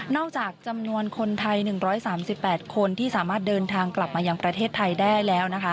จากจำนวนคนไทย๑๓๘คนที่สามารถเดินทางกลับมายังประเทศไทยได้แล้วนะคะ